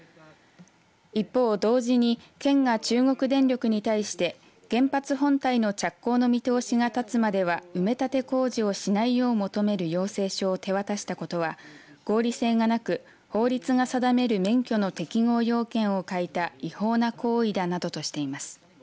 一方、同時に県が中国電力に対して原発本体の着工の見通しが立つまでは埋め立て工事をしないよう求める要請書を手渡したことは合理性がなく法律が定める免許の適合要件を欠いた違法な行為だなどとしています。